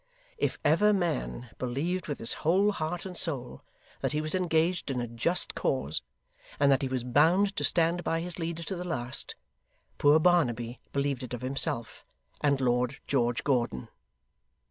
If ever man believed with his whole heart and soul that he was engaged in a just cause, and that he was bound to stand by his leader to the last, poor Barnaby believed it of himself and Lord George Gordon.